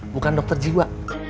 bukan dokter jiwa